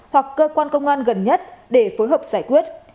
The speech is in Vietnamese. hoặc cơ quan công an gần nhất để phối hợp giải quyết